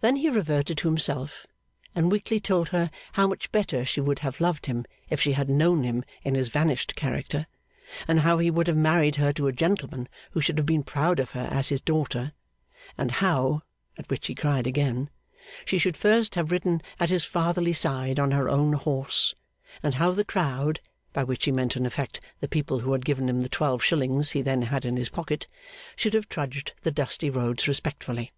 Then he reverted to himself, and weakly told her how much better she would have loved him if she had known him in his vanished character, and how he would have married her to a gentleman who should have been proud of her as his daughter, and how (at which he cried again) she should first have ridden at his fatherly side on her own horse, and how the crowd (by which he meant in effect the people who had given him the twelve shillings he then had in his pocket) should have trudged the dusty roads respectfully.